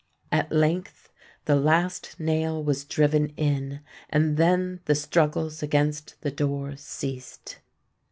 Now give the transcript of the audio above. At length the last nail was driven in; and then the struggles against the door ceased.